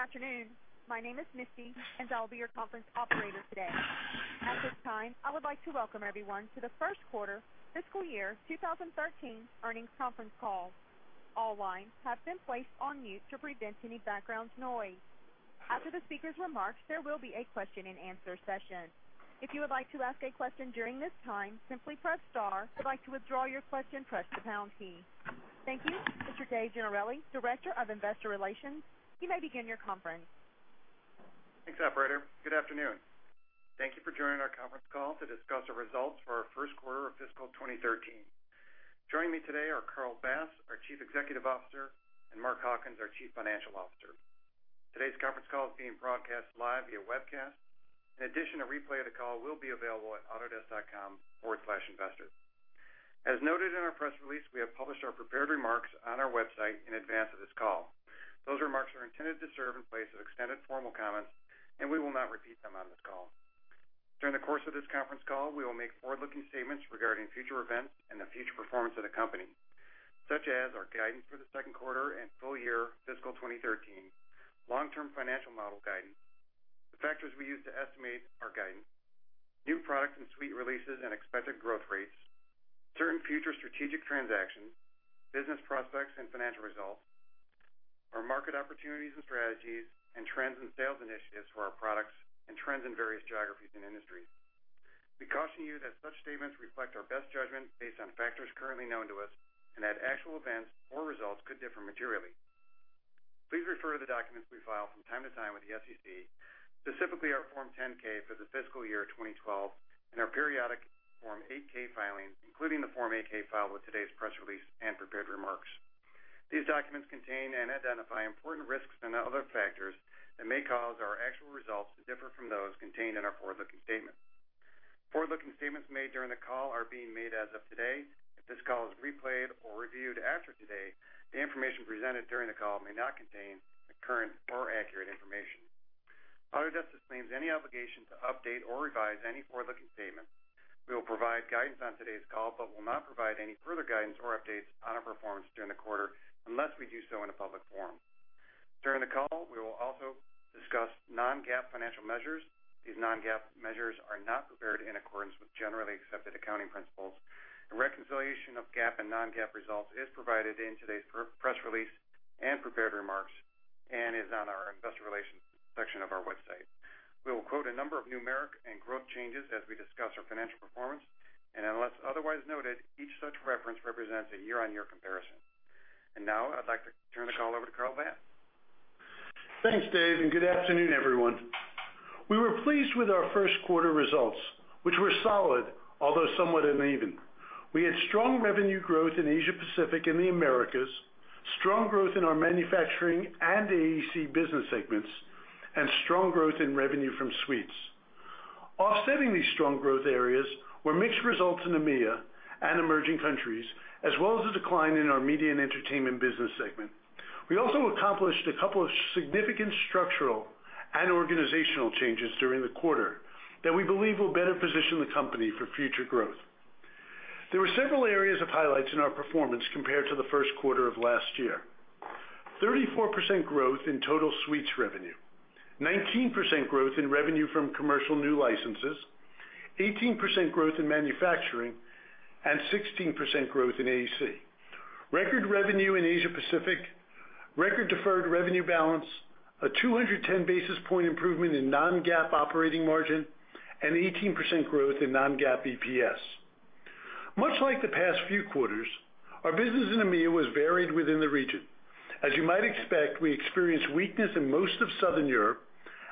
Good afternoon. My name is Misty, and I'll be your conference operator today. At this time, I would like to welcome everyone to the first quarter fiscal year 2013 earnings conference call. All lines have been placed on mute to prevent any background noise. After the speaker's remarks, there will be a question and answer session. If you would like to ask a question during this time, simply press star. If you'd like to withdraw your question, press the pound key. Thank you. Mr. David Gennarelli, Director of Investor Relations, you may begin your conference. Thanks, operator. Good afternoon. Thank you for joining our conference call to discuss our results for our first quarter of fiscal 2013. Joining me today are Carl Bass, our Chief Executive Officer, and Mark Hawkins, our Chief Financial Officer. Today's conference call is being broadcast live via webcast. In addition, a replay of the call will be available at autodesk.com/investors. As noted in our press release, we have published our prepared remarks on our website in advance of this call. Those remarks are intended to serve in place of extended formal comments. We will not repeat them on this call. During the course of this conference call, we will make forward-looking statements regarding future events and the future performance of the company, such as our guidance for the second quarter and full year fiscal 2013, long-term financial model guidance, the factors we use to estimate our guidance, new product and suite releases and expected growth rates, certain future strategic transactions, business prospects and financial results, our market opportunities and strategies, and trends in sales initiatives for our products, and trends in various geographies and industries. We caution you that such statements reflect our best judgment based on factors currently known to us. Actual events or results could differ materially. Please refer to the documents we file from time to time with the SEC, specifically our Form 10-K for the fiscal year 2012 and our periodic Form 8-K filings, including the Form 8-K filed with today's press release and prepared remarks. These documents contain and identify important risks and other factors that may cause our actual results to differ from those contained in our forward-looking statements. Forward-looking statements made during the call are being made as of today. If this call is replayed or reviewed after today, the information presented during the call may not contain current or accurate information. Autodesk disclaims any obligation to update or revise any forward-looking statements. We will provide guidance on today's call. We will not provide any further guidance or updates on our performance during the quarter unless we do so in a public forum. During the call, we will also discuss non-GAAP financial measures. These non-GAAP measures are not prepared in accordance with generally accepted accounting principles. A reconciliation of GAAP and non-GAAP results is provided in today's press release and prepared remarks and is on our investor relations section of our website. We will quote a number of numeric and growth changes as we discuss our financial performance, and unless otherwise noted, each such reference represents a year-on-year comparison. Now I'd like to turn the call over to Carl Bass. Thanks, Dave, good afternoon, everyone. We were pleased with our first quarter results, which were solid, although somewhat uneven. We had strong revenue growth in Asia Pacific and the Americas, strong growth in our manufacturing and AEC business segments, and strong growth in revenue from suites. Offsetting these strong growth areas were mixed results in EMEA and emerging countries, as well as a decline in our media and entertainment business segment. We also accomplished a couple of significant structural and organizational changes during the quarter that we believe will better position the company for future growth. There were several areas of highlights in our performance compared to the first quarter of last year. 34% growth in total suites revenue, 19% growth in revenue from commercial new licenses, 18% growth in manufacturing, and 16% growth in AEC. Record revenue in Asia Pacific, record deferred revenue balance, a 210-basis point improvement in non-GAAP operating margin, and 18% growth in non-GAAP EPS. Much like the past few quarters, our business in EMEA was varied within the region. As you might expect, we experienced weakness in most of Southern Europe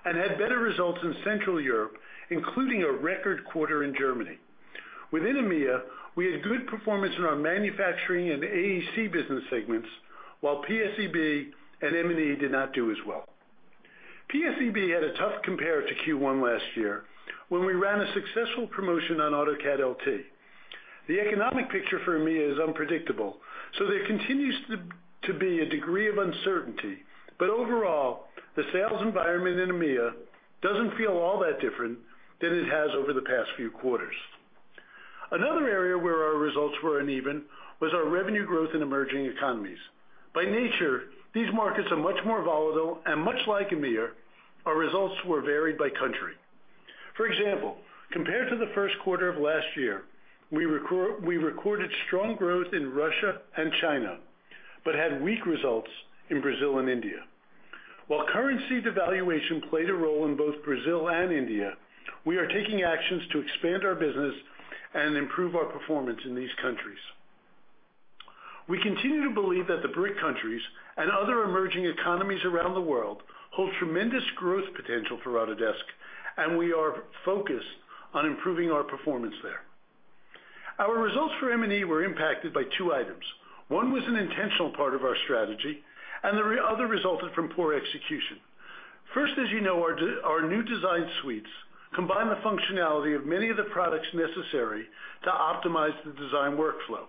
and had better results in Central Europe, including a record quarter in Germany. Within EMEA, we had good performance in our manufacturing and AEC business segments, while PSEB and M&E did not do as well. PSEB had a tough compare to Q1 last year when we ran a successful promotion on AutoCAD LT. The economic picture for EMEA is unpredictable, so there continues to be a degree of uncertainty. Overall, the sales environment in EMEA doesn't feel all that different than it has over the past few quarters. Another area where our results were uneven was our revenue growth in emerging economies. By nature, these markets are much more volatile, and much like EMEA, our results were varied by country. For example, compared to the first quarter of last year, we recorded strong growth in Russia and China but had weak results in Brazil and India. While currency devaluation played a role in both Brazil and India, we are taking actions to expand our business and improve our performance in these countries. We continue to believe that the BRIC countries and other emerging economies around the world hold tremendous growth potential for Autodesk, and we are focused on improving our performance there. Our results for M&E were impacted by two items. One was an intentional part of our strategy, and the other resulted from poor execution. First, as you know, our new design suites combine the functionality of many of the products necessary to optimize the design workflow.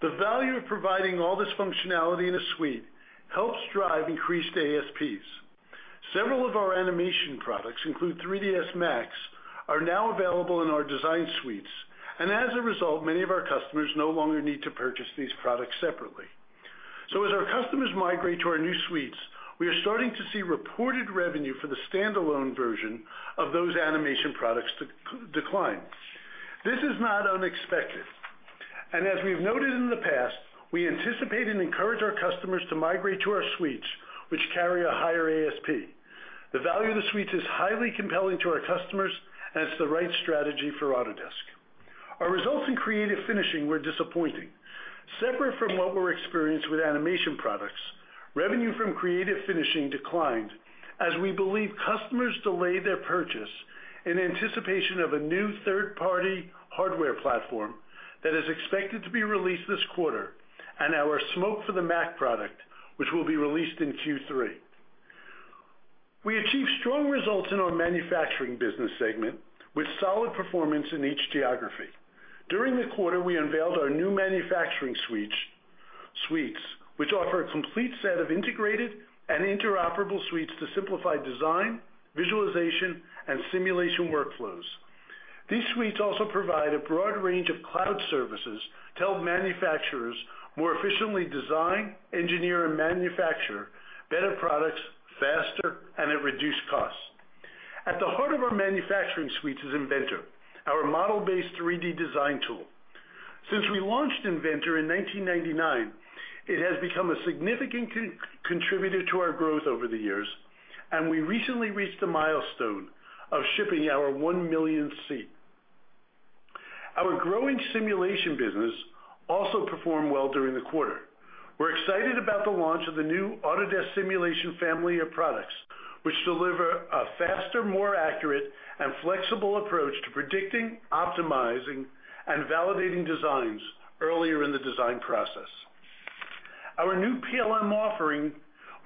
The value of providing all this functionality in a suite helps drive increased ASPs. Several of our animation products include 3ds Max are now available in our design suites. As a result, many of our customers no longer need to purchase these products separately. As our customers migrate to our new suites, we are starting to see reported revenue for the standalone version of those animation products decline. This is not unexpected, and as we've noted in the past, we anticipate and encourage our customers to migrate to our suites, which carry a higher ASP. The value of the suites is highly compelling to our customers, and it's the right strategy for Autodesk. Our results in creative finishing were disappointing. Separate from what we're experienced with animation products, revenue from creative finishing declined as we believe customers delay their purchase in anticipation of a new third-party hardware platform that is expected to be released this quarter and our Smoke for the Mac product, which will be released in Q3. We achieved strong results in our manufacturing business segment with solid performance in each geography. During the quarter, we unveiled our new manufacturing suites, which offer a complete set of integrated and interoperable suites to simplify design, visualization, and simulation workflows. These suites also provide a broad range of cloud services to help manufacturers more efficiently design, engineer, and manufacture better products faster and at reduced costs. At the heart of our manufacturing suites is Inventor, our model-based 3D design tool. Since we launched Inventor in 1999, it has become a significant contributor to our growth over the years, and we recently reached the milestone of shipping our one millionth seat. Our growing simulation business also performed well during the quarter. We're excited about the launch of the new Autodesk Simulation family of products, which deliver a faster, more accurate, and flexible approach to predicting, optimizing, and validating designs earlier in the design process. Our new PLM offering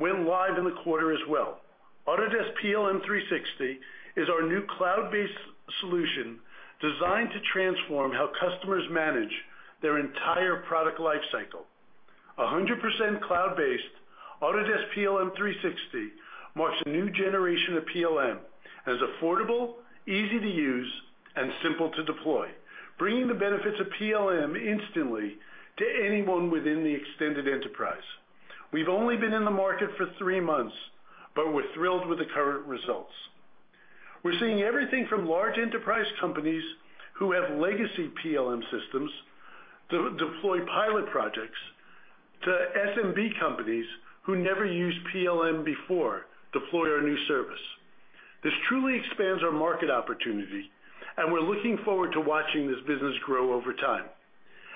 went live in the quarter as well. Autodesk PLM 360 is our new cloud-based solution designed to transform how customers manage their entire product life cycle. 100% cloud-based Autodesk PLM 360 marks a new generation of PLM as affordable, easy to use, and simple to deploy, bringing the benefits of PLM instantly to anyone within the extended enterprise. We've only been in the market for three months, we're thrilled with the current results. We're seeing everything from large enterprise companies who have legacy PLM systems deploy pilot projects to SMB companies who never used PLM before deploy our new service. This truly expands our market opportunity, and we're looking forward to watching this business grow over time.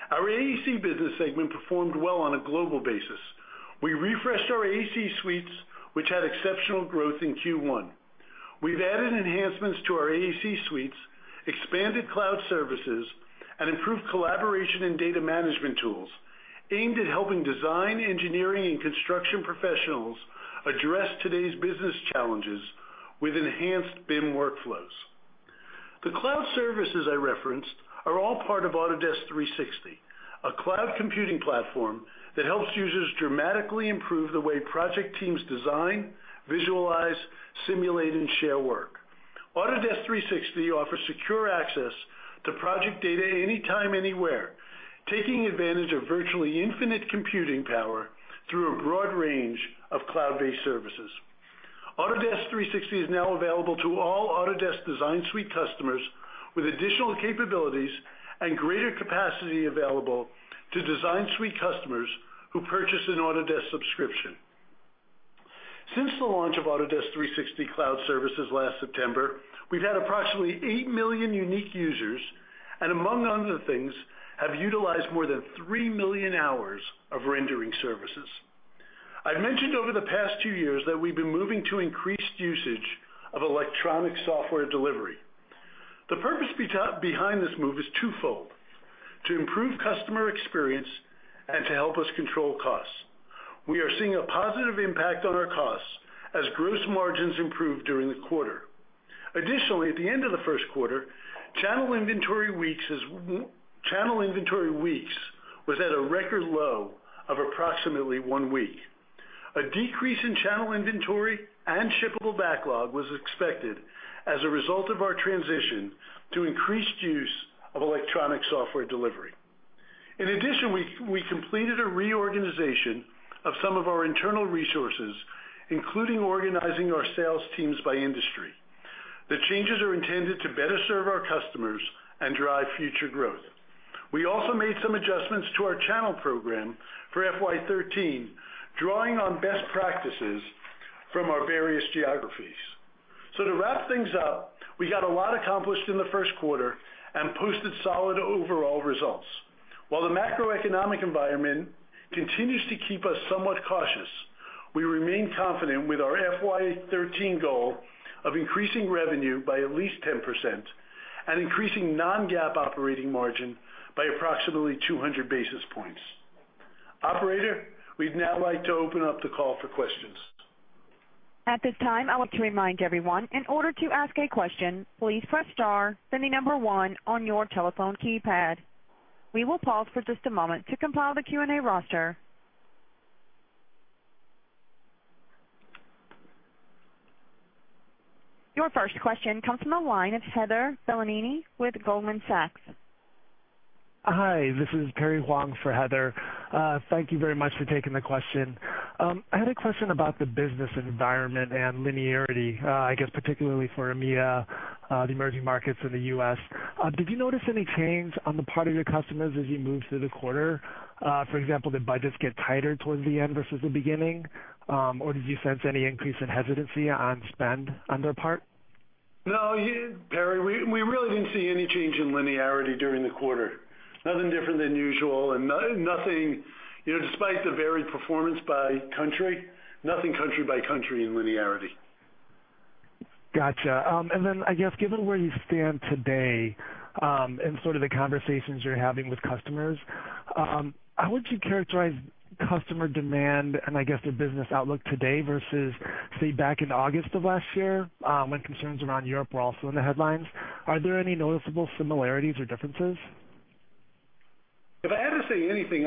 Our AEC business segment performed well on a global basis. We refreshed our AEC suites, which had exceptional growth in Q1. We've added enhancements to our AEC suites, expanded cloud services, and improved collaboration and data management tools aimed at helping design, engineering, and construction professionals address today's business challenges with enhanced BIM workflows. The cloud services I referenced are all part of Autodesk 360, a cloud computing platform that helps users dramatically improve the way project teams design, visualize, simulate, and share work. Autodesk 360 offers secure access to project data anytime, anywhere, taking advantage of virtually infinite computing power through a broad range of cloud-based services. Autodesk 360 is now available to all Autodesk Design Suite customers, with additional capabilities and greater capacity available to Design Suite customers who purchase an Autodesk subscription. Since the launch of Autodesk 360 Cloud Services last September, we've had approximately eight million unique users, and among other things, have utilized more than three million hours of rendering services. I've mentioned over the past two years that we've been moving to increased usage of electronic software delivery. The purpose behind this move is twofold: to improve customer experience and to help us control costs. We are seeing a positive impact on our costs as gross margins improve during the quarter. Additionally, at the end of the first quarter, channel inventory weeks was at a record low of approximately one week. A decrease in channel inventory and shippable backlog was expected as a result of our transition to increased use of electronic software delivery. We completed a reorganization of some of our internal resources, including organizing our sales teams by industry. The changes are intended to better serve our customers and drive future growth. We also made some adjustments to our channel program for FY 2013, drawing on best practices from our various geographies. To wrap things up, we got a lot accomplished in the first quarter and posted solid overall results. While the macroeconomic environment continues to keep us somewhat cautious, we remain confident with our FY 2013 goal of increasing revenue by at least 10% and increasing non-GAAP operating margin by approximately 200 basis points. Operator, we'd now like to open up the call for questions. At this time, I want to remind everyone, in order to ask a question, please press star then the number 1 on your telephone keypad. We will pause for just a moment to compile the Q&A roster. Your first question comes from the line of Heather Bellini with Goldman Sachs. Hi, this is Perry Huang for Heather. Thank you very much for taking the question. I had a question about the business environment and linearity, I guess particularly for EMEA, the emerging markets in the U.S. Did you notice any change on the part of your customers as you moved through the quarter? For example, did budgets get tighter towards the end versus the beginning? Did you sense any increase in hesitancy on spend on their part? No, Perry, we really didn't see any change in linearity during the quarter. Nothing different than usual despite the varied performance by country, nothing country by country in linearity. Got you. I guess, given where you stand today, and the conversations you're having with customers, how would you characterize customer demand and I guess the business outlook today versus, say, back in August of last year, when concerns around Europe were also in the headlines? Are there any noticeable similarities or differences? If I had to say anything,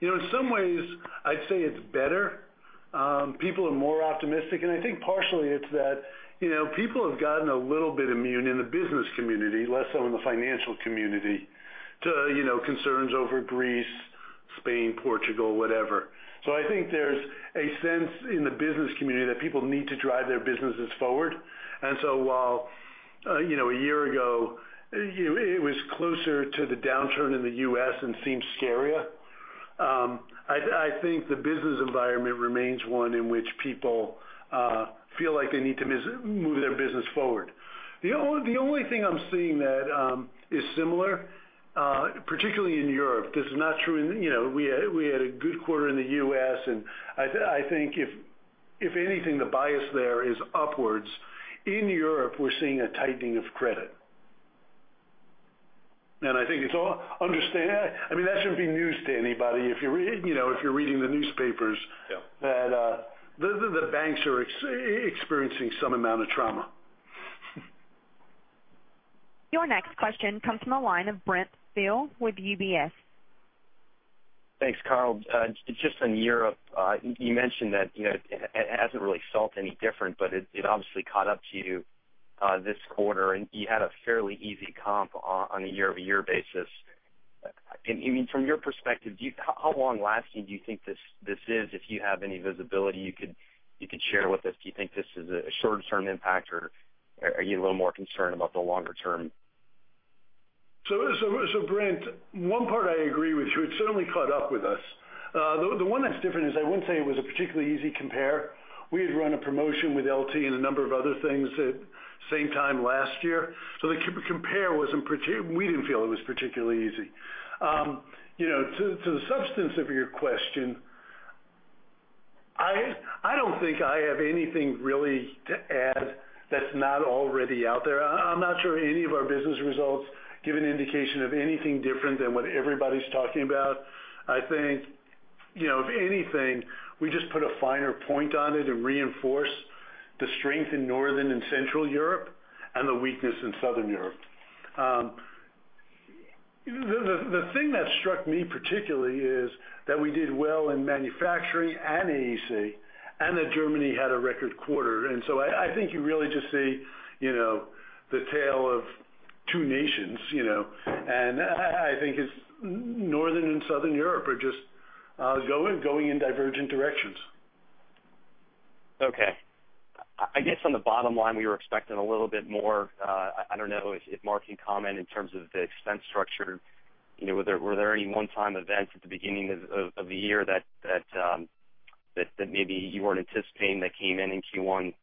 in some ways, I'd say it's better. People are more optimistic, and I think partially it's that people have gotten a little bit immune in the business community, less so in the financial community, to concerns over Greece, Spain, Portugal, whatever. I think there's a sense in the business community that people need to drive their businesses forward. While a year ago, it was closer to the downturn in the U.S. and seemed scarier, I think the business environment remains one in which people feel like they need to move their business forward. The only thing I'm seeing that is similar, particularly in Europe, this is not true. We had a good quarter in the U.S., and I think if anything, the bias there is upwards. In Europe, we're seeing a tightening of credit. That shouldn't be news to anybody. If you're reading the newspapers- Yeah. That the banks are experiencing some amount of trauma. Your next question comes from the line of Brent Thill with UBS. Thanks, Carl. Just on Europe, you mentioned that it hasn't really felt any different, but it obviously caught up to you this quarter, and you had a fairly easy comp on a year-over-year basis. From your perspective, how long-lasting do you think this is? If you have any visibility you could share with us. Do you think this is a short-term impact, or are you a little more concerned about the longer term? Brent, one part I agree with you. It certainly caught up with us. The one that's different is I wouldn't say it was a particularly easy compare. We had run a promotion with LT and a number of other things at same time last year. The compare, we didn't feel it was particularly easy. To the substance of your question, I don't think I have anything really to add that's not already out there. I'm not sure any of our business results give an indication of anything different than what everybody's talking about. I think, if anything, we just put a finer point on it and reinforce the strength in Northern and Central Europe and the weakness in Southern Europe. The thing that struck me particularly is that we did well in manufacturing and AEC, and that Germany had a record quarter. I think you really just see the tale of two nations. I think it's Northern and Southern Europe are just going in divergent directions. Okay. I guess on the bottom line, we were expecting a little bit more, I don't know if Mark can comment in terms of the expense structure. Were there any one-time events at the beginning of the year that maybe you weren't anticipating that came in in Q1?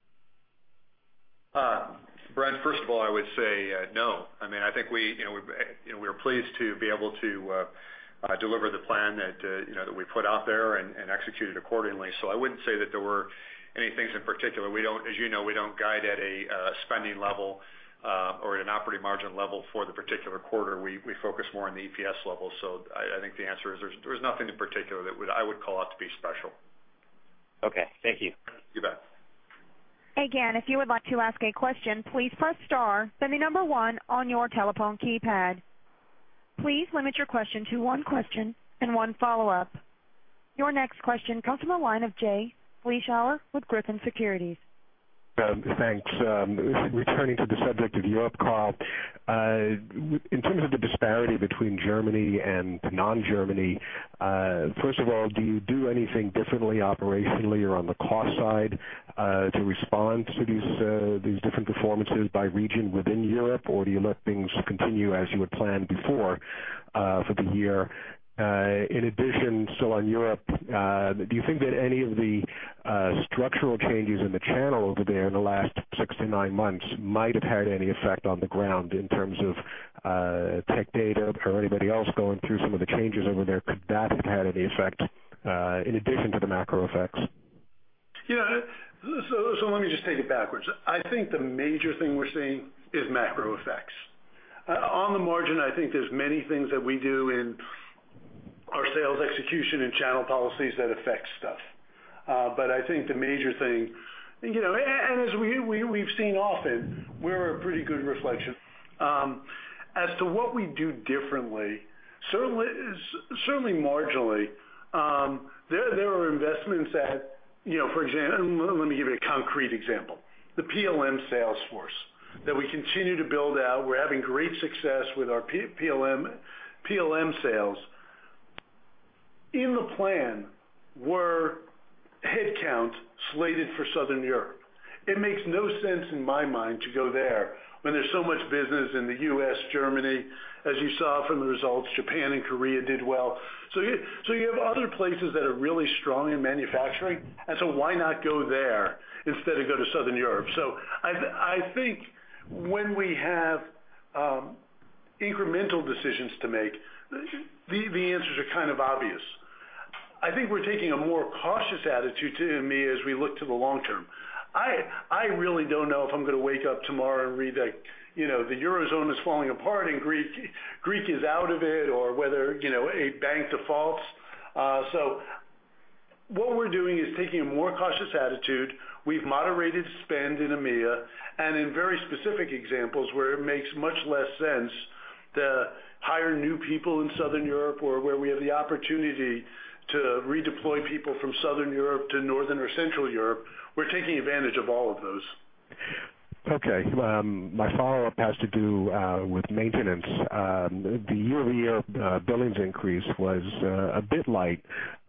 Brent, first of all, I would say no. I think we were pleased to be able to deliver the plan that we put out there and execute it accordingly. I wouldn't say that there were any things in particular. As you know, we don't guide at a spending level or at an operating margin level for the particular quarter. We focus more on the EPS level. I think the answer is there was nothing in particular that I would call out to be special. Okay. Thank you. You bet. Again, if you would like to ask a question, please press star, then the number 1 on your telephone keypad. Please limit your question to one question and one follow-up. Your next question comes from the line of Jay Vleeschhouwer with Griffin Securities. Thanks. Returning to the subject of Europe, Carl. In terms of the disparity between Germany and non-Germany, first of all, do you do anything differently operationally or on the cost side to respond to these different performances by region within Europe, or do you let things continue as you had planned before for the year? In addition, still on Europe, do you think that any of the structural changes in the channel over there in the last six to nine months might have had any effect on the ground in terms of Tech Data or anybody else going through some of the changes over there? Could that have had any effect in addition to the macro effects? Let me just take it backwards. I think the major thing we're seeing is macro effects. On the margin, I think there's many things that we do in our sales execution and channel policies that affect stuff. I think the major thing, and as we've seen often, we're a pretty good reflection. As to what we do differently, certainly marginally, there are investments at, for example, let me give you a concrete example. The PLM sales force that we continue to build out. We're having great success with our PLM sales. In the plan were headcount slated for Southern Europe. It makes no sense in my mind to go there when there's so much business in the U.S., Germany. As you saw from the results, Japan and Korea did well. You have other places that are really strong in manufacturing, why not go there instead of go to Southern Europe? I think when we have incremental decisions to make, the answers are kind of obvious. I think we're taking a more cautious attitude to EMEA as we look to the long term. I really don't know if I'm going to wake up tomorrow and read that the Eurozone is falling apart and Greece is out of it, or whether a bank defaults. What we're doing is taking a more cautious attitude. We've moderated spend in EMEA, and in very specific examples where it makes much less sense to hire new people in Southern Europe or where we have the opportunity to redeploy people from Southern Europe to Northern or Central Europe, we're taking advantage of all of those. Okay. My follow-up has to do with maintenance. The year-over-year billings increase was a bit light,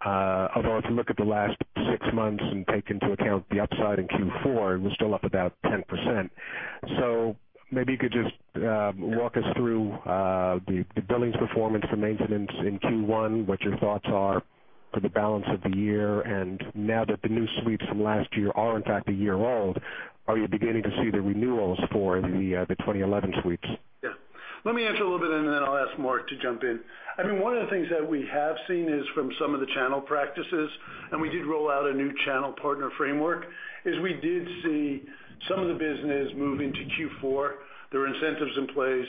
although if you look at the last six months and take into account the upside in Q4, it was still up about 10%. Maybe you could just walk us through the billings performance for maintenance in Q1, what your thoughts are for the balance of the year, and now that the new suites from last year are in fact a year old, are you beginning to see the renewals for the 2011 suites? Yeah. Let me answer a little bit, and then I'll ask Mark to jump in. One of the things that we have seen is from some of the channel practices, and we did roll out a new channel partner framework, is we did see some of the business move into Q4. There were incentives in place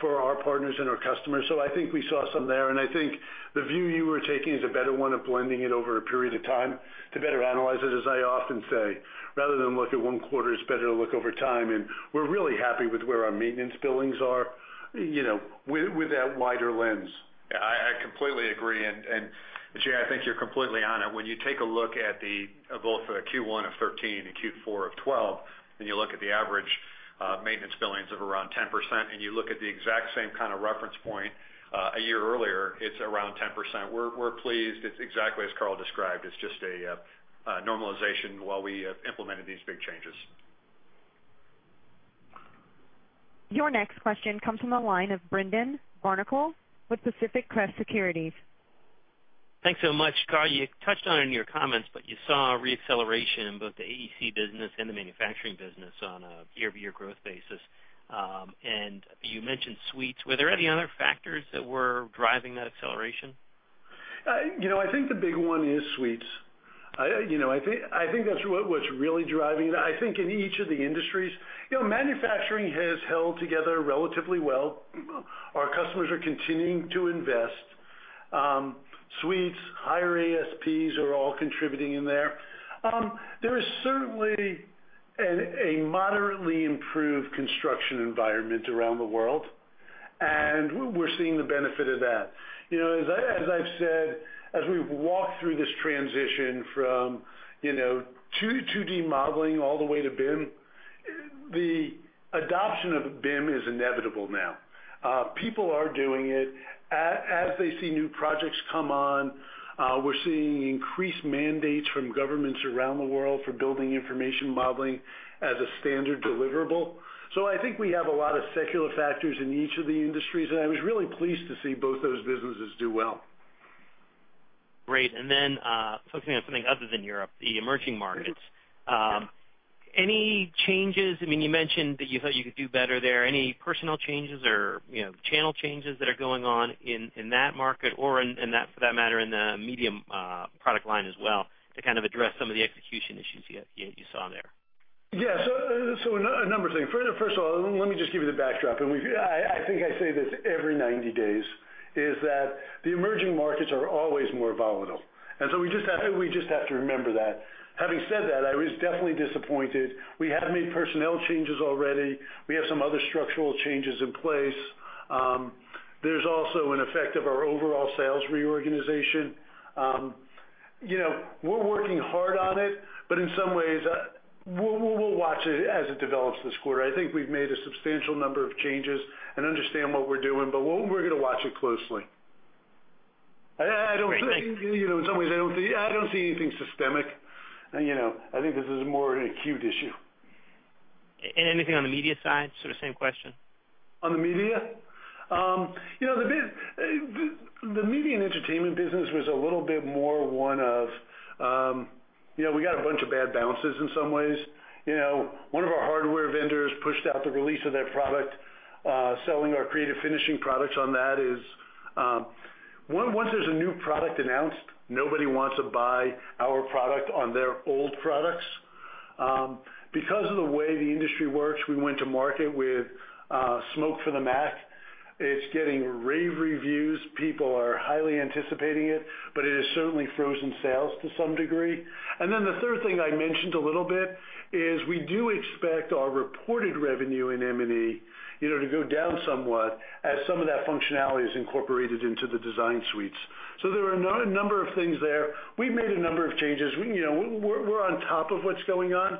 for our partners and our customers. I think we saw some there, and I think the view you were taking is a better one of blending it over a period of time to better analyze it, as I often say. Rather than look at one quarter, it's better to look over time, and we're really happy with where our maintenance billings are with that wider lens. Yeah, I completely agree, and Jay, I think you're completely on it. When you take a look at both the Q1 of 2013 and Q4 of 2012, and you look at the average maintenance billings of around 10%, and you look at the exact same kind of reference point a year earlier, it's around 10%. We're pleased. It's exactly as Carl described. It's just a normalization while we implemented these big changes. Your next question comes from the line of Brendan Barnicle with Pacific Crest Securities. Thanks so much. Carl, you touched on it in your comments, but you saw re-acceleration in both the AEC business and the manufacturing business on a year-over-year growth basis. You mentioned suites. Were there any other factors that were driving that acceleration? I think the big one is suites. I think that's what's really driving it. I think in each of the industries. Manufacturing has held together relatively well. Our customers are continuing to invest. Suites, higher ASPs are all contributing in there. There is certainly a moderately improved construction environment around the world, and we're seeing the benefit of that. As I've said, as we've walked through this transition from 2D modeling all the way to BIM, the adoption of BIM is inevitable now. People are doing it. As they see new projects come on, we're seeing increased mandates from governments around the world for building information modeling as a standard deliverable. I think we have a lot of secular factors in each of the industries, and I was really pleased to see both those businesses do well. Great. Then, focusing on something other than Europe, the emerging markets. Any changes? You mentioned that you thought you could do better there. Any personnel changes or channel changes that are going on in that market or, for that matter, in the media product line as well to kind of address some of the execution issues you saw there? Yeah. A number of things. First of all, let me just give you the backdrop, and I think I say this every 90 days, is that the emerging markets are always more volatile, and so we just have to remember that. Having said that, I was definitely disappointed. We have made personnel changes already. We have some other structural changes in place. There's also an effect of our overall sales reorganization. We're working hard on it, but in some ways, we'll watch it as it develops this quarter. I think we've made a substantial number of changes and understand what we're doing, but we're going to watch it closely. Great, thanks. In some ways, I don't see anything systemic. I think this is more an acute issue. Anything on the media side? Sort of same question. On the media? The media and entertainment business was a little bit more one of, we got a bunch of bad bounces in some ways. One of our hardware vendors pushed out the release of their product, selling our creative finishing products on that. Once there's a new product announced, nobody wants to buy our product on their old products. Because of the way the industry works, we went to market with Smoke for the Mac. It's getting rave reviews. People are highly anticipating it has certainly frozen sales to some degree. The third thing I mentioned a little bit is we do expect our reported revenue in M&E to go down somewhat as some of that functionality is incorporated into the Design Suites. There are a number of things there. We've made a number of changes. We're on top of what's going on.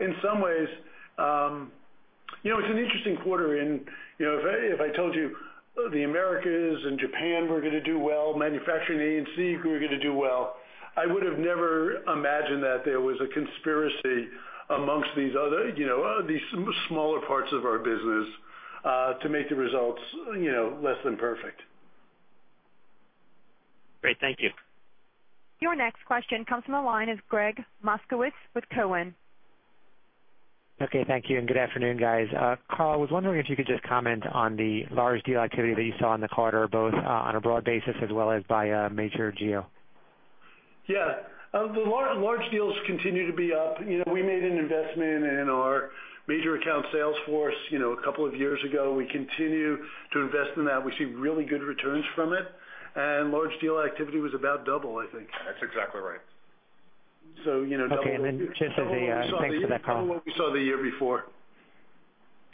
In some ways, it's an interesting quarter in, if I told you the Americas and Japan were going to do well, manufacturing and AEC were going to do well, I would have never imagined that there was a conspiracy amongst these smaller parts of our business to make the results less than perfect. Great. Thank you. Your next question comes from the line of Gregg Moskowitz with Cowen. Okay. Thank you and good afternoon, guys. Carl, I was wondering if you could just comment on the large deal activity that you saw in the quarter, both on a broad basis as well as by major geo. Yeah. The large deals continue to be up. We made an investment in our major account sales force a couple of years ago. We continue to invest in that. We see really good returns from it. Large deal activity was about double, I think. That's exactly right. Okay. Thanks for that, Carl. Double what we saw the year before.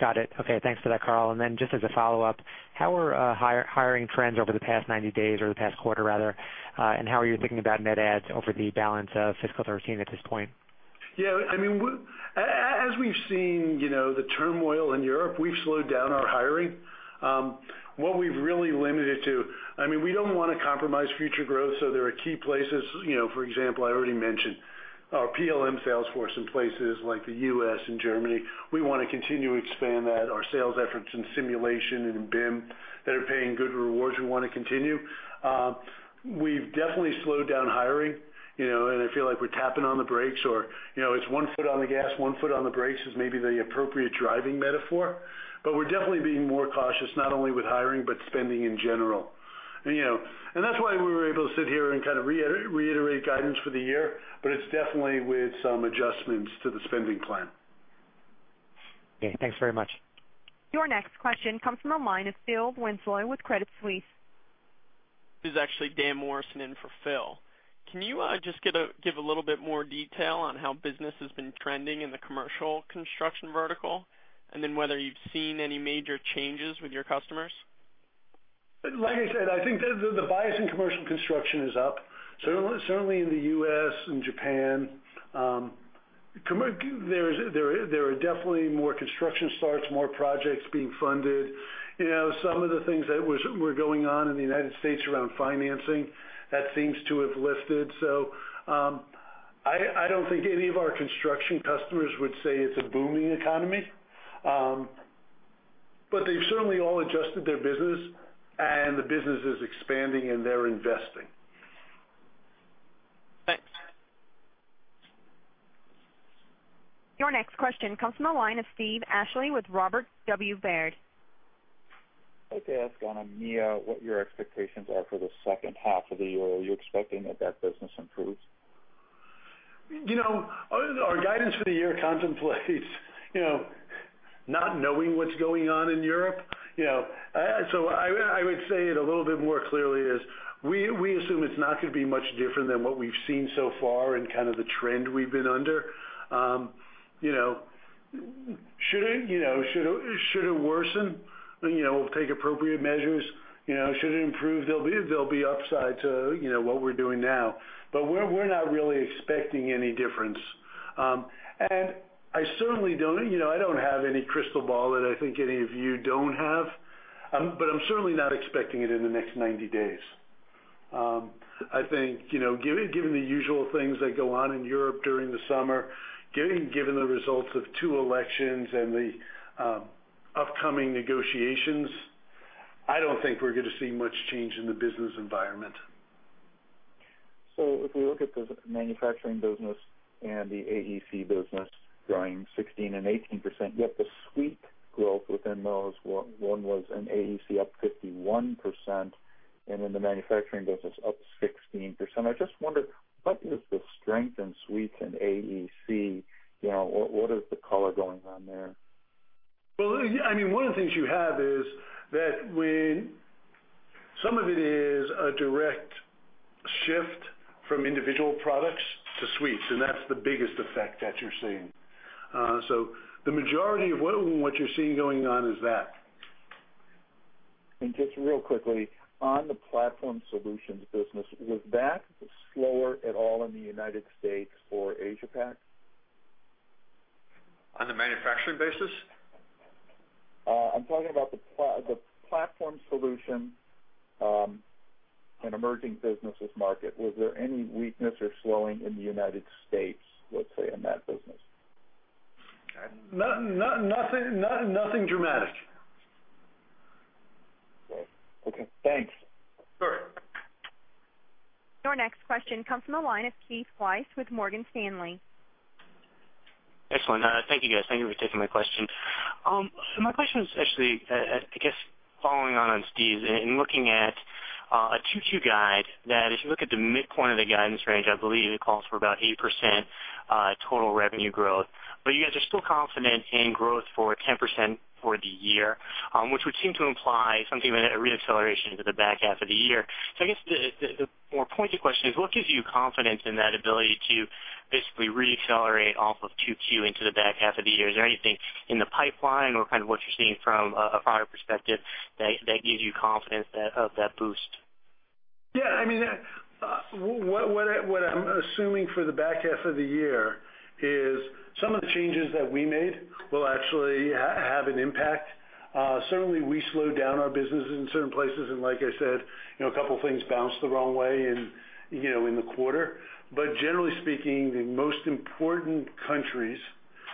Got it. Okay. Thanks for that, Carl. Just as a follow-up, how are hiring trends over the past 90 days, or the past quarter rather, and how are you thinking about net adds over the balance of fiscal 2013 at this point? As we've seen the turmoil in Europe, we've slowed down our hiring. We don't want to compromise future growth, there are key places. For example, I already mentioned our PLM sales force in places like the U.S. and Germany. We want to continue to expand that. Our sales efforts in simulation and in BIM that are paying good rewards, we want to continue. We've definitely slowed down hiring, I feel like we're tapping on the brakes, or it's one foot on the gas, one foot on the brakes is maybe the appropriate driving metaphor. We're definitely being more cautious, not only with hiring, but spending in general. That's why we were able to sit here and kind of reiterate guidance for the year, but it's definitely with some adjustments to the spending plan. Okay. Thanks very much. Your next question comes from the line of Phil Winslow with Credit Suisse. This is actually Dan Morrison in for Phil. Can you just give a little bit more detail on how business has been trending in the commercial construction vertical, whether you've seen any major changes with your customers? Like I said, I think the bias in commercial construction is up. Certainly in the U.S. and Japan, there are definitely more construction starts, more projects being funded. Some of the things that were going on in the United States around financing, that seems to have lifted. I don't think any of our construction customers would say it's a booming economy. They've certainly all adjusted their business, and the business is expanding, and they're investing. Thanks. Your next question comes from the line of Steve Ashley with Robert W. Baird. I'd like to ask on EMEA, what your expectations are for the second half of the year. Are you expecting that that business improves? Our guidance for the year contemplates not knowing what's going on in Europe. I would say it a little bit more clearly is, we assume it's not going to be much different than what we've seen so far and kind of the trend we've been under. Should it worsen, we'll take appropriate measures. Should it improve, there'll be upsides to what we're doing now. We're not really expecting any difference. I don't have any crystal ball that I think any of you don't have, but I'm certainly not expecting it in the next 90 days. I think, given the usual things that go on in Europe during the summer, given the results of two elections and the upcoming negotiations, I don't think we're going to see much change in the business environment. If we look at the manufacturing business and the AEC business growing 16% and 18%, yet the suite growth within those, one was in AEC up 51% and in the manufacturing business up 16%. I just wonder, what is the strength in suites and AEC? What is the color going on there? One of the things you have is that some of it is a direct shift from individual products to suites, and that's the biggest effect that you're seeing. The majority of what you're seeing going on is that. Just real quickly, on the platform solutions business, was that slower at all in the U.S. or Asia-Pac? On the manufacturing basis? I'm talking about the platform solution in emerging businesses market. Was there any weakness or slowing in the United States, let's say, in that business? Nothing dramatic. Okay. Thanks. Sure. Your next question comes from the line of Keith Weiss with Morgan Stanley. Excellent. Thank you, guys. Thank you for taking my question. My question is actually, I guess, following on Steve in looking at a 2Q guide, that if you look at the midpoint of the guidance range, I believe it calls for about 8% total revenue growth. You guys are still confident in growth for 10% for the year, which would seem to imply something of a re-acceleration into the back half of the year. I guess the more pointed question is, what gives you confidence in that ability to basically re-accelerate off of 2Q into the back half of the year? Is there anything in the pipeline or kind of what you're seeing from a product perspective that gives you confidence of that boost? Yeah. What I'm assuming for the back half of the year is some of the changes that we made will actually have an impact. Certainly, we slowed down our business in certain places, and like I said, a couple things bounced the wrong way in the quarter. Generally speaking, the most important countries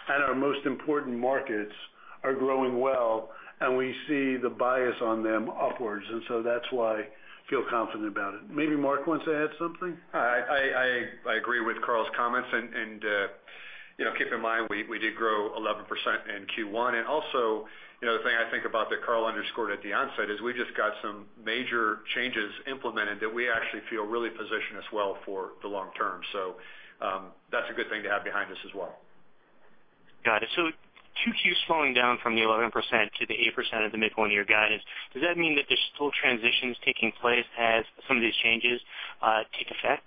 and our most important markets are growing well, that's why I feel confident about it. Maybe Mark wants to add something? I agree with Carl's comments, and keep in mind, we did grow 11% in Q1. Also, the thing I think about that Carl underscored at the onset is we just got some major changes implemented that we actually feel really position us well for the long term. That's a good thing to have behind us as well. Got it. 2Q is slowing down from the 11% to the 8% of the mid one-year guidance. Does that mean that there's still transitions taking place as some of these changes take effect?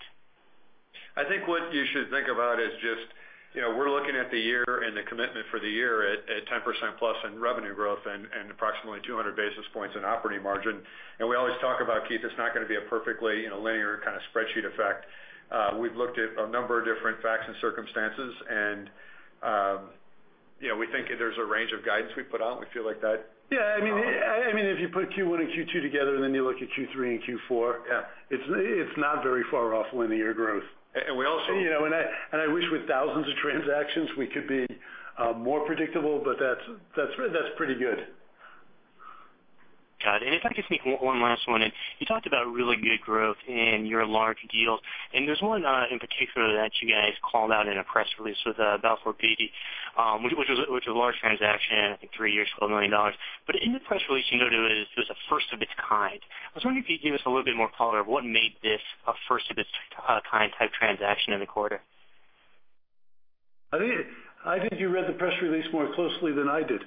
I think what you should think about is just, we're looking at the year and the commitment for the year at 10% plus in revenue growth and approximately 200 basis points in operating margin. We always talk about, Keith, it's not going to be a perfectly linear kind of spreadsheet effect. We've looked at a number of different facts and circumstances, and we think there's a range of guidance we put out, and we feel like that. Yeah. If you put Q1 and Q2 together, and then you look at Q3 and Q4. Yeah it's not very far off linear growth. And we also- I wish with thousands of transactions, we could be more predictable, but that's pretty good. Got it. If I could sneak one last one in. You talked about really good growth in your large deals, and there's one in particular that you guys called out in a press release with Balfour Beatty, which was a large transaction, I think three years, $12 million. In the press release, you noted it was a first of its kind. I was wondering if you could give us a little bit more color of what made this a first of its kind type transaction in the quarter. I think you read the press release more closely than I did.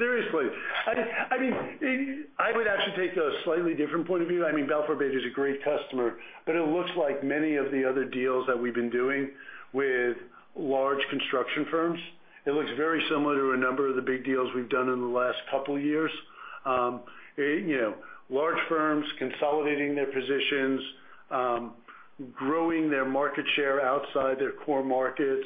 Seriously. I would actually take a slightly different point of view. Balfour Beatty is a great customer. It looks like many of the other deals that we've been doing with large construction firms. It looks very similar to a number of the big deals we've done in the last couple of years. Large firms consolidating their positions, growing their market share outside their core markets,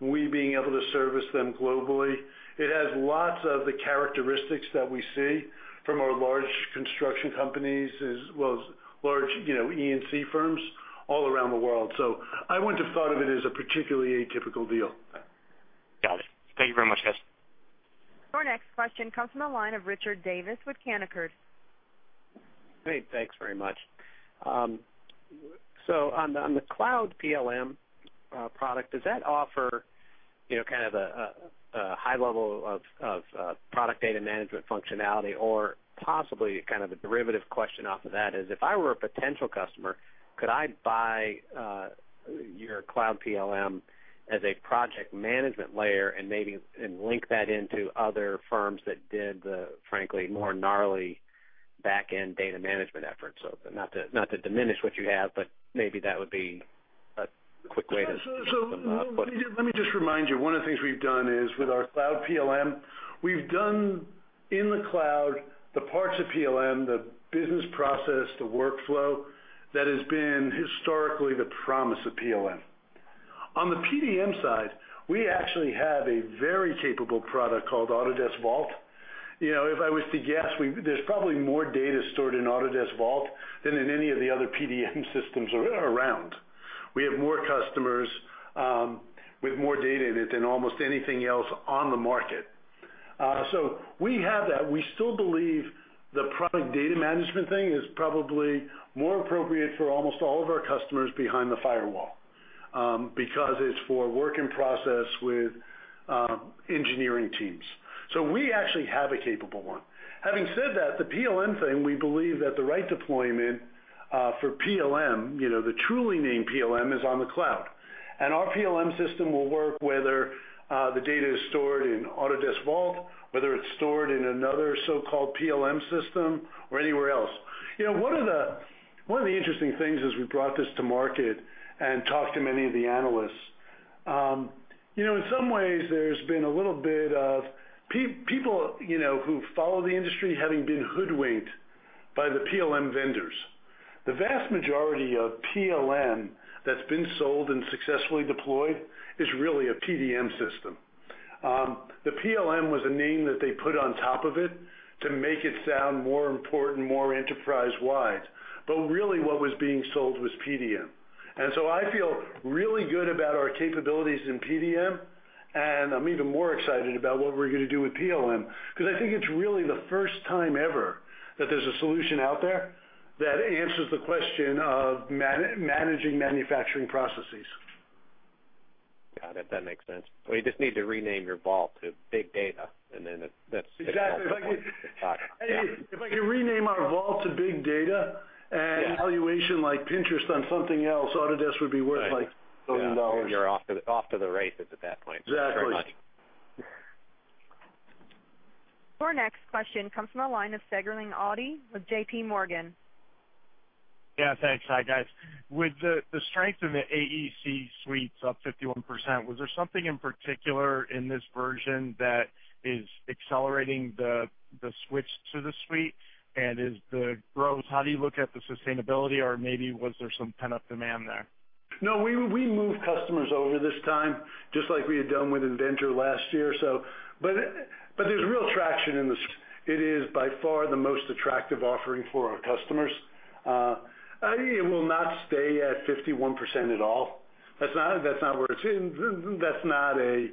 we being able to service them globally. It has lots of the characteristics that we see from our large construction companies, as well as large E&C firms all around the world. I wouldn't have thought of it as a particularly atypical deal. Got it. Thank you very much, guys. Your next question comes from the line of Richard Davis with Canaccord. Hey, thanks very much. On the Cloud PLM product, does that offer a high level of product data management functionality? Or possibly, kind of a derivative question off of that is, if I were a potential customer, could I buy your Cloud PLM as a project management layer and link that into other firms that did the, frankly, more gnarly back-end data management efforts? Not to diminish what you have. Let me just remind you, one of the things we've done is with our Cloud PLM, we've done in the cloud the parts of PLM, the business process, the workflow that has been historically the promise of PLM. On the PDM side, we actually have a very capable product called Autodesk Vault. If I was to guess, there's probably more data stored in Autodesk Vault than in any of the other PDM systems around. We have more customers with more data in it than almost anything else on the market. We have that. We still believe the product data management thing is probably more appropriate for almost all of our customers behind the firewall, because it's for work in process with engineering teams. We actually have a capable one. Having said that, the PLM thing, we believe that the right deployment for PLM, the truly named PLM, is on the cloud. Our PLM system will work whether the data is stored in Autodesk Vault, whether it's stored in another so-called PLM system or anywhere else. One of the interesting things as we brought this to market and talked to many of the analysts, in some ways there's been a little bit of people who follow the industry having been hoodwinked by the PLM vendors. The vast majority of PLM that's been sold and successfully deployed is really a PDM system. The PLM was a name that they put on top of it to make it sound more important, more enterprise-wide. Really what was being sold was PDM. I feel really good about our capabilities in PDM. I'm even more excited about what we're going to do with PLM, because I think it's really the first time ever that there's a solution out there that answers the question of managing manufacturing processes. Got it. That makes sense. You just need to rename your vault to big data. Exactly. If I can rename our vault to big data- Yeah valuation like Pinterest on something else, Autodesk would be worth billions of dollars. You're off to the races at that point. Exactly. Thanks very much. Your next question comes from the line of Sterling Auty with JPMorgan. Yeah, thanks. Hi, guys. With the strength in the AEC suites up 51%, was there something in particular in this version that is accelerating the switch to the suite? How do you look at the sustainability, or maybe was there some pent-up demand there? No, we moved customers over this time, just like we had done with Inventor last year. There's real traction in the suite. It is by far the most attractive offering for our customers. It will not stay at 51% at all. That's not a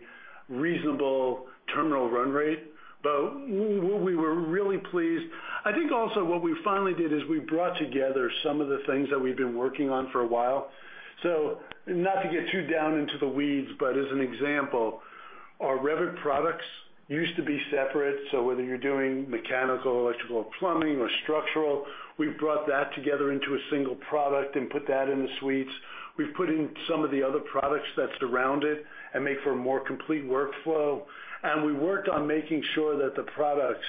reasonable terminal run rate. We were really pleased. I think also what we finally did is we brought together some of the things that we've been working on for a while. Not to get too down into the weeds, but as an example, our Revit products used to be separate. Whether you're doing mechanical, electrical, or plumbing or structural, we've brought that together into a single product and put that in the suites. We've put in some of the other products that surround it and make for a more complete workflow. We worked on making sure that the products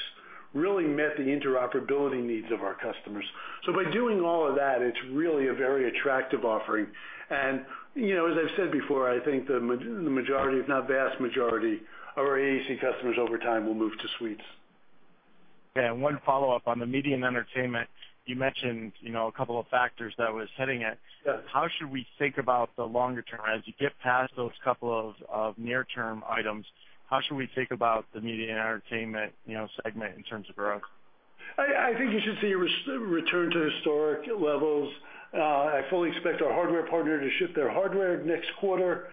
really met the interoperability needs of our customers. By doing all of that, it's really a very attractive offering. As I've said before, I think the majority, if not vast majority, of our AEC customers over time will move to suites. Okay. One follow-up on the Media and Entertainment. You mentioned a couple of factors that was hitting it. Yes. How should we think about the longer term as you get past those couple of near-term items? How should we think about the media and entertainment segment in terms of growth? I think you should see a return to historic levels. I fully expect our hardware partner to ship their hardware next quarter.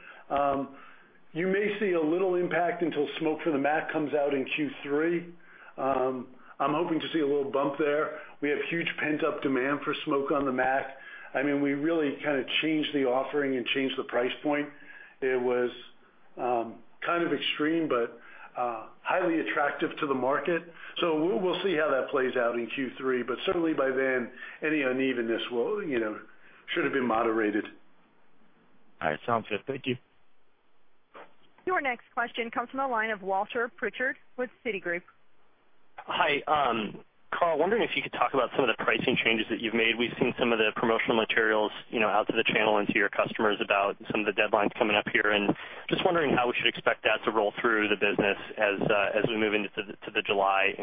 You may see a little impact until Smoke for the Mac comes out in Q3. I'm hoping to see a little bump there. We have huge pent-up demand for Smoke on the Mac. We really changed the offering and changed the price point. It was extreme but highly attractive to the market. We'll see how that plays out in Q3. Certainly by then, any unevenness should have been moderated. All right. Sounds good. Thank you. Your next question comes from the line of Walter Pritchard with Citigroup. Hi. Carl, wondering if you could talk about some of the pricing changes that you've made. We've seen some of the promotional materials out to the channel and to your customers about some of the deadlines coming up here. Just wondering how we should expect that to roll through the business as we move into the July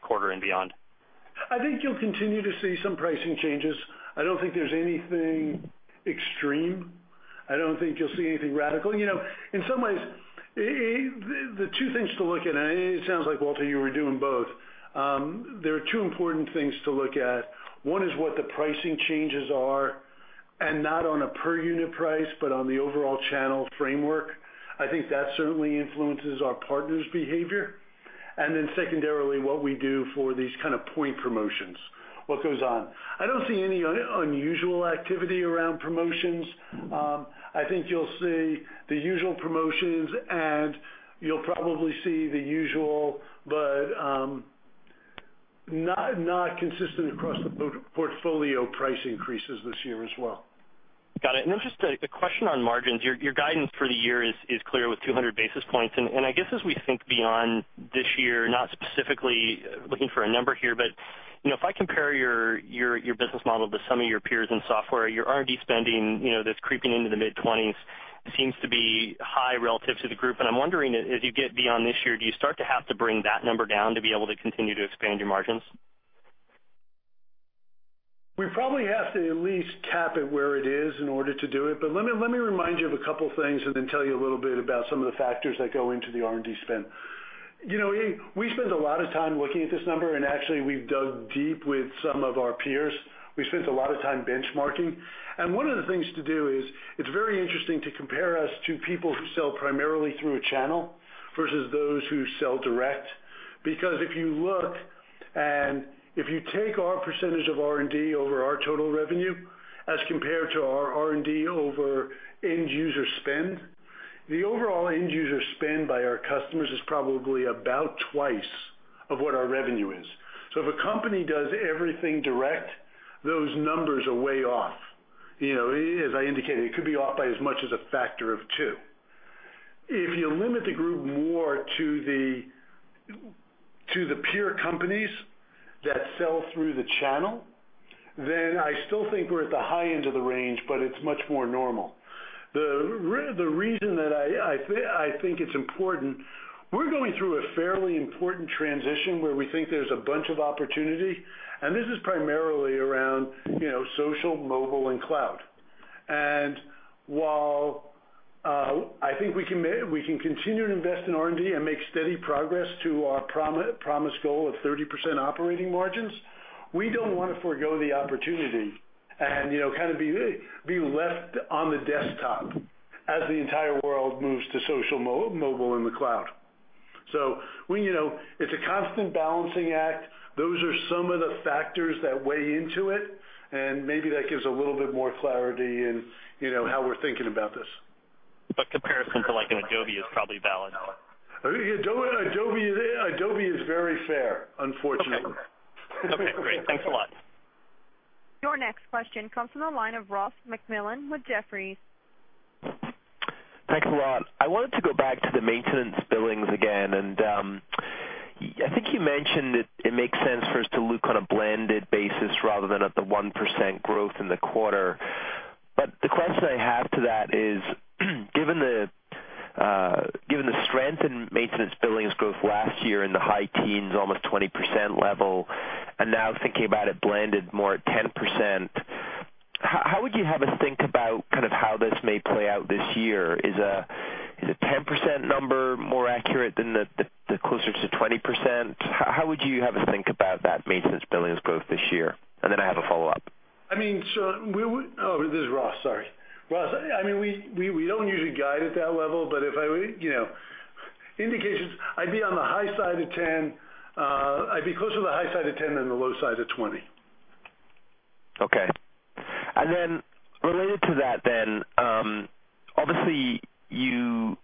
quarter and beyond. I think you'll continue to see some pricing changes. I don't think there's anything extreme. I don't think you'll see anything radical. In some ways, the two things to look at. It sounds like, Walter, you were doing both. There are two important things to look at. One is what the pricing changes are, not on a per-unit price, but on the overall channel framework. I think that certainly influences our partners' behavior. Secondarily, what we do for these point promotions, what goes on. I don't see any unusual activity around promotions. I think you'll see the usual promotions. You'll probably see the usual, but not consistent across the portfolio price increases this year as well. Got it. Just a question on margins. Your guidance for the year is clear with 200 basis points. I guess as we think beyond this year, not specifically looking for a number here, but if I compare your business model to some of your peers in software, your R&D spending, that's creeping into the mid-20s, seems to be high relative to the group. I'm wondering, as you get beyond this year, do you start to have to bring that number down to be able to continue to expand your margins? We probably have to at least cap it where it is in order to do it. Let me remind you of a couple of things and then tell you a little bit about some of the factors that go into the R&D spend. We spend a lot of time looking at this number. Actually we've dug deep with some of our peers. We spent a lot of time benchmarking. One of the things to do is it's very interesting to compare us to people who sell primarily through a channel versus those who sell direct. Because if you look and if you take our percentage of R&D over our total revenue as compared to our R&D over end user spend, the overall end user spend by our customers is probably about twice of what our revenue is. If a company does everything direct, those numbers are way off. As I indicated, it could be off by as much as a factor of two. If you limit the group more to the peer companies that sell through the channel, then I still think we're at the high end of the range, but it's much more normal. The reason that I think it's important, we're going through a fairly important transition where we think there's a bunch of opportunity, and this is primarily around social, mobile, and cloud. While I think we can continue to invest in R&D and make steady progress to our promised goal of 30% operating margins, we don't want to forgo the opportunity Kind of be left on the desktop as the entire world moves to social mobile in the cloud. It's a constant balancing act. Those are some of the factors that weigh into it, Maybe that gives a little bit more clarity in how we're thinking about this. Comparison to like an Adobe is probably valid. Adobe is very fair, unfortunately. Okay, great. Thanks a lot. Your next question comes from the line of Ross MacMillan with Jefferies. Thanks a lot. I wanted to go back to the maintenance billings again, and I think you mentioned it makes sense for us to look on a blended basis rather than at the 1% growth in the quarter. The question I have to that is, given the strength in maintenance billings growth last year in the high teens, almost 20% level, and now thinking about it blended more at 10%, how would you have us think about how this may play out this year? Is a 10% number more accurate than the closer to 20%? How would you have us think about that maintenance billings growth this year? I have a follow-up. I mean, This is Ross, sorry. Ross, we don't usually guide at that level, but indications, I'd be closer to the high side of 10 than the low side of 20. Okay. Related to that then, obviously, you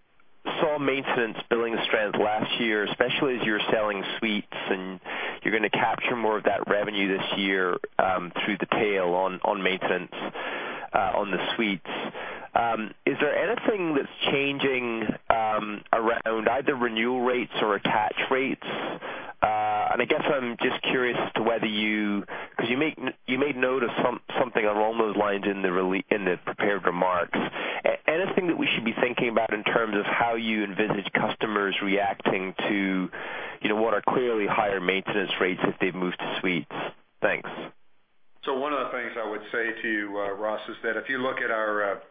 saw maintenance billing strength last year, especially as you were selling suites and you're going to capture more of that revenue this year through the tail on maintenance on the suites. Is there anything that's changing around either renewal rates or attach rates? I guess I'm just curious as to whether you because you made note of something along those lines in the prepared remarks. Anything that we should be thinking about in terms of how you envisage customers reacting to what are clearly higher maintenance rates if they've moved to suites? Thanks. One of the things I would say to you, Ross MacMillan, is that if you look at our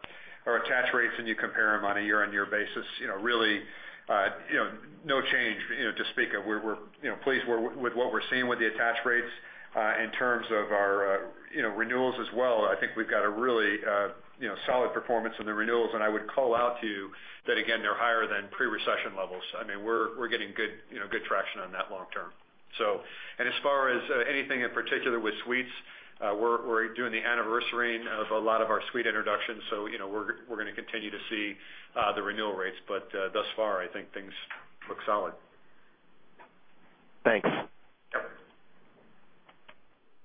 attach rates and you compare them on a year-over-year basis, really no change to speak of. We're pleased with what we're seeing with the attach rates in terms of our renewals as well. I think we've got a really solid performance in the renewals. I would call out to you that, again, they're higher than pre-recession levels. I mean, we're getting good traction on that long term. As far as anything in particular with suites, we're doing the anniversarying of a lot of our suite introductions. We're going to continue to see the renewal rates. Thus far, I think things look solid. Thanks.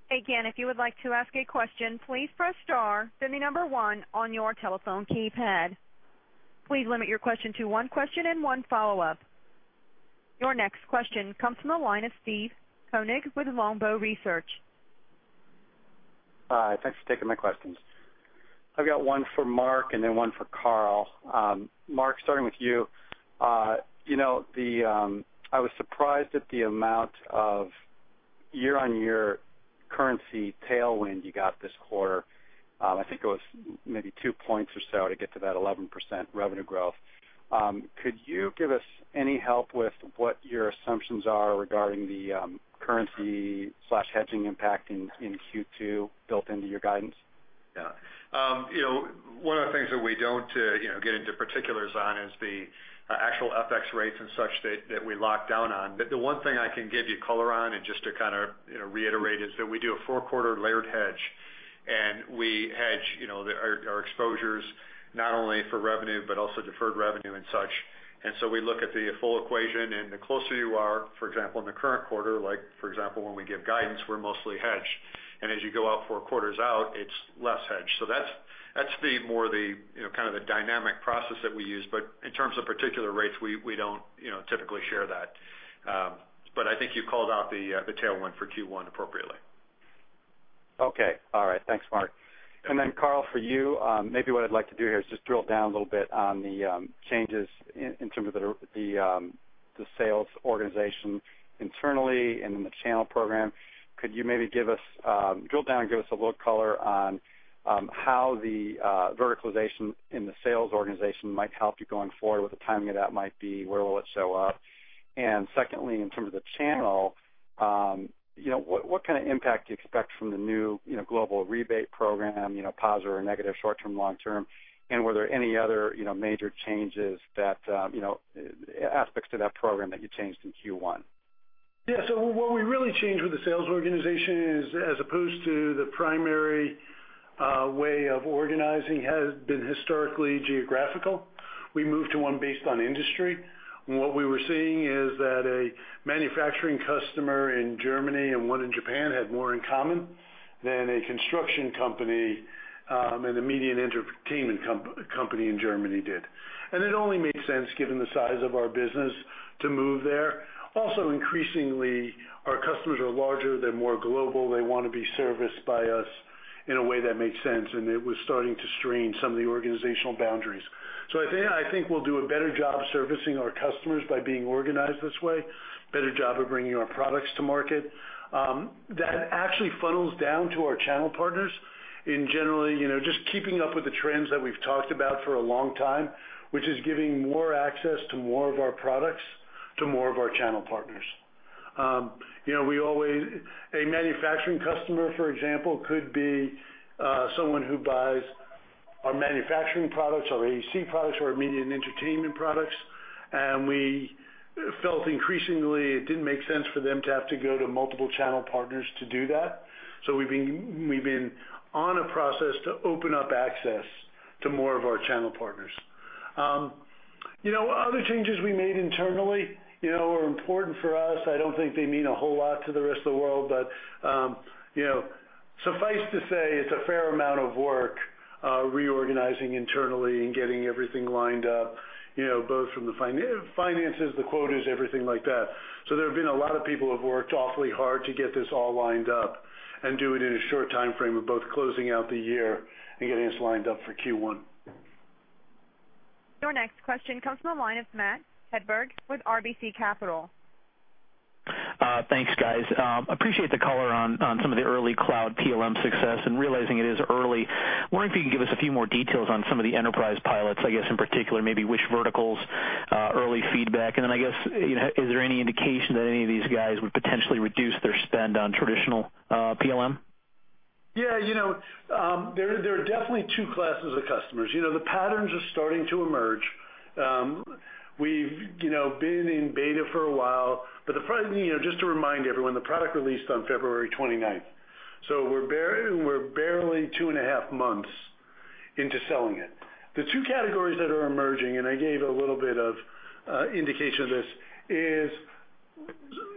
Again, if you would like to ask a question, please press star, then the number 1 on your telephone keypad. Please limit your question to one question and one follow-up. Your next question comes from the line of Steve Koenig with Longbow Research. Hi, thanks for taking my questions. I've got one for Mark Hawkins and then one for Carl Bass. Mark Hawkins, starting with you. I was surprised at the amount of year-over-year currency tailwind you got this quarter. I think it was maybe two points or so to get to that 11% revenue growth. Could you give us any help with what your assumptions are regarding the currency/hedging impact in Q2 built into your guidance? Yeah. One of the things that we don't get into particulars on is the actual FX rates and such that we lock down on. The one thing I can give you color on, and just to kind of reiterate, is that we do a four-quarter layered hedge, and we hedge our exposures not only for revenue but also deferred revenue and such. We look at the full equation, and the closer you are, for example, in the current quarter, like for example, when we give guidance, we're mostly hedged. As you go out four quarters out, it's less hedged. That's more the kind of the dynamic process that we use. In terms of particular rates, we don't typically share that. I think you called out the tailwind for Q1 appropriately. Okay. All right. Thanks, Mark. Carl, for you, maybe what I'd like to do here is just drill down a little bit on the changes in terms of the sales organization internally and in the channel program. Could you maybe drill down and give us a little color on how the verticalization in the sales organization might help you going forward? What the timing of that might be? Where will it show up? Secondly, in terms of the channel, what kind of impact do you expect from the new global rebate program, positive or negative, short-term, long-term? Were there any other major changes, aspects to that program that you changed in Q1? Yeah. What we really changed with the sales organization is as opposed to the primary way of organizing has been historically geographical. We moved to one based on industry. What we were seeing is that a manufacturing customer in Germany and one in Japan had more in common than a construction company and a media and entertainment company in Germany did. It only made sense, given the size of our business, to move there. Also, increasingly, our customers are larger. They're more global. They want to be serviced by us in a way that makes sense, and it was starting to strain some of the organizational boundaries. I think we'll do a better job servicing our customers by being organized this way, better job of bringing our products to market. That actually funnels down to our channel partners in generally just keeping up with the trends that we've talked about for a long time, which is giving more access to more of our products, to more of our channel partners. A manufacturing customer, for example, could be someone who buys our manufacturing products, our AEC products, or our media and entertainment products. We felt increasingly it didn't make sense for them to have to go to multiple channel partners to do that. We've been on a process to open up access to more of our channel partners. Other changes we made internally are important for us. I don't think they mean a whole lot to the rest of the world, but suffice to say, it's a fair amount of work reorganizing internally and getting everything lined up, both from the finances, the quotas, everything like that. There have been a lot of people who have worked awfully hard to get this all lined up, and do it in a short timeframe of both closing out the year and getting us lined up for Q1. Your next question comes from the line of Matt Hedberg with RBC Capital. Thanks, guys. Appreciate the color on some of the early cloud PLM success, and realizing it is early. Wondering if you can give us a few more details on some of the enterprise pilots, I guess, in particular, maybe which verticals, early feedback, and then I guess, is there any indication that any of these guys would potentially reduce their spend on traditional PLM? Yeah. There are definitely 2 classes of customers. The patterns are starting to emerge. We've been in beta for a while, but just to remind everyone, the product released on February 29th, so we're barely two and a half months into selling it. The 2 categories that are emerging, and I gave a little bit of indication of this, is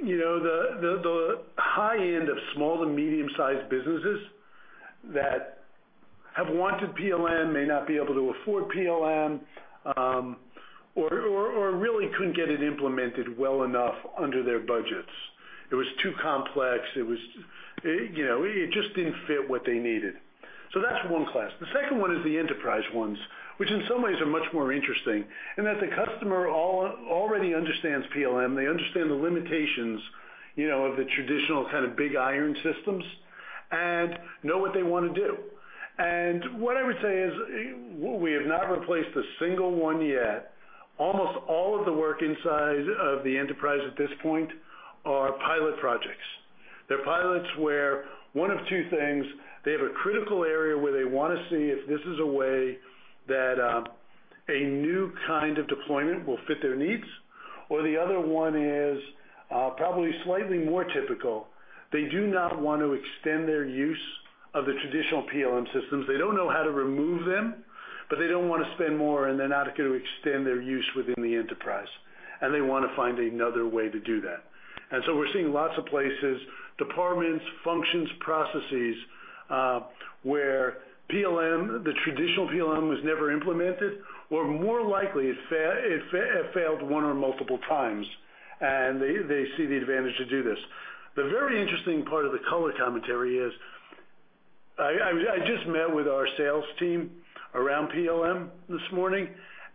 the high end of small to medium-sized businesses that have wanted PLM, may not be able to afford PLM, or really couldn't get it implemented well enough under their budgets. It was too complex. It just didn't fit what they needed. That's 1 class. The second one is the enterprise ones, which in some ways are much more interesting in that the customer already understands PLM. They understand the limitations of the traditional kind of big iron systems, know what they want to do. What I would say is, we have not replaced a single one yet. Almost all of the work inside of the enterprise at this point are pilot projects. They're pilots where one of two things, they have a critical area where they want to see if this is a way that a new kind of deployment will fit their needs. The other one is probably slightly more typical. They do not want to extend their use of the traditional PLM systems. They don't know how to remove them, but they don't want to spend more, and they're not going to extend their use within the enterprise, and they want to find another way to do that. We're seeing lots of places, departments, functions, processes, where the traditional PLM was never implemented or more likely, it failed one or multiple times, and they see the advantage to do this. The very interesting part of the color commentary is, I just met with our sales team around PLM this morning,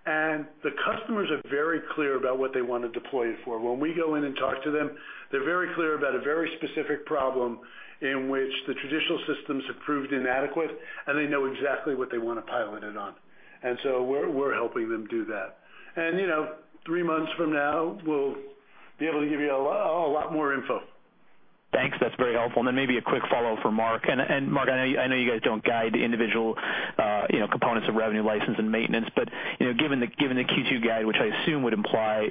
and the customers are very clear about what they want to deploy it for. When we go in and talk to them, they're very clear about a very specific problem in which the traditional systems have proved inadequate, and they know exactly what they want to pilot it on. We're helping them do that. Three months from now, we'll be able to give you a lot more info. Thanks. That's very helpful. Maybe a quick follow-up for Mark. Mark, I know you guys don't guide individual components of revenue, license, and maintenance, but given the Q2 guide, which I assume would imply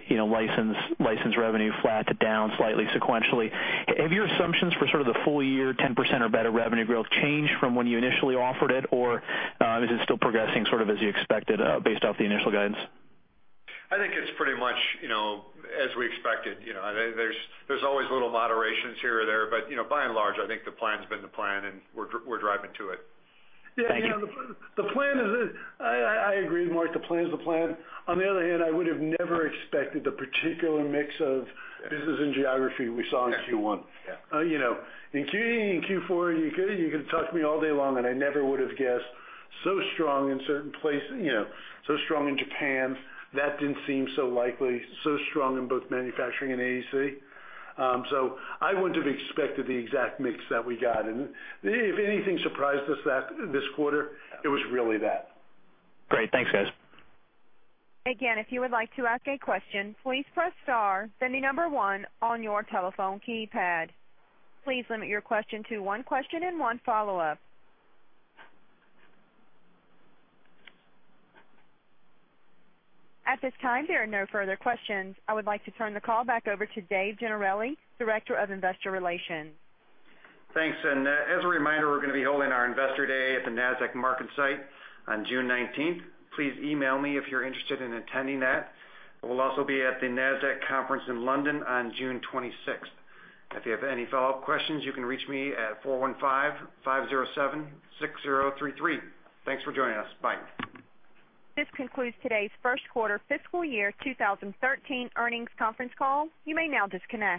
license revenue flat to down slightly sequentially, have your assumptions for sort of the full year, 10% or better revenue growth changed from when you initially offered it, or is it still progressing sort of as you expected, based off the initial guidance? I think it's pretty much as we expected. There's always little moderations here or there, but by and large, I think the plan's been the plan, and we're driving to it. Thank you. The plan is I agree with Mark. The plan is the plan. On the other hand, I would have never expected the particular mix of business and geography we saw in Q1. Yeah. In Q4, you could've talked to me all day long, and I never would've guessed so strong in certain places, so strong in Japan. That didn't seem so likely. Strong in both manufacturing and AEC. I wouldn't have expected the exact mix that we got, and if anything surprised us this quarter, it was really that. Great. Thanks, guys. Again, if you would like to ask a question, please press star, then the number one on your telephone keypad. Please limit your question to one question and one follow-up. At this time, there are no further questions. I would like to turn the call back over to David Gennarelli, Director of Investor Relations. Thanks. As a reminder, we're going to be holding our Investor Day at the Nasdaq MarketSite on June 19th. Please email me if you're interested in attending that. We'll also be at the Nasdaq conference in London on June 26th. If you have any follow-up questions, you can reach me at 415-507-6033. Thanks for joining us. Bye. This concludes today's first quarter fiscal year 2013 earnings conference call. You may now disconnect.